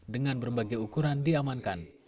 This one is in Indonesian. dengan berbagai ukuran diamankan